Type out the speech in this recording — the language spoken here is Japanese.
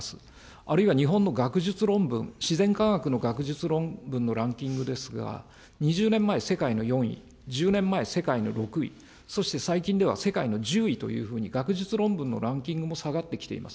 あるいは日本の学術論文、自然科学の学術論文のランキングですが、２０年前世界の４位、１０年前、世界の６位、そして最近では、世界の１０位というふうに、学術論文のランキングも下がってきています。